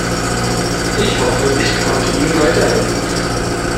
Ich hoffe, ich konnte ihnen weiterhelfen.